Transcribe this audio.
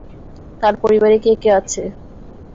তার পরিবারে কে কে আছে?